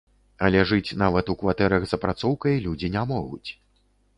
Але жыць нават у кватэрах з апрацоўкай людзі не могуць.